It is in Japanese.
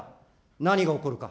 何が起こるか。